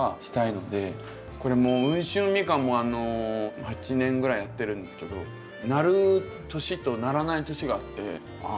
これもウンシュウミカンも８年ぐらいやってるんですけどなる年とならない年があって。